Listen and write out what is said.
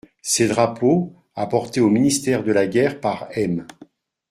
Ces drapeaux, apportés au ministère de la guerre par M.